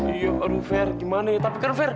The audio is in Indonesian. iya aduh fe gimana ya tapi kan fe